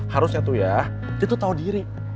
harusnya tuh ya dia tuh tahu diri